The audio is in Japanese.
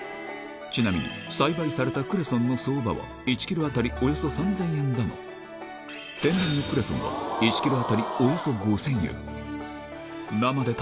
ちなみに栽培されたクレソンの相場は１キロ当たりおよそ３０００円だが、天然クレソンは１キロ当たりおよそ５０００円。